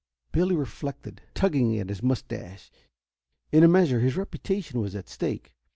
Billy reflected, tugging at his moustache. In a measure his reputation was at stake.